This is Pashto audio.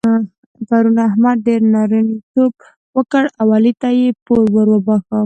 پرون احمد ډېر نارینتوب وکړ او علي ته يې پور ور وباښه.